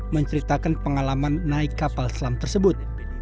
menceritakan pengalaman naik kapal selam tersebut